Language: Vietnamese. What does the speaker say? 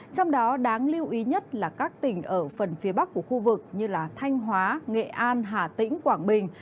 trong đó đáng lưu ý nhất là các tỉnh ở phần phía bắc của khu vực như thanh hóa nghệ an hà tĩnh quảng bình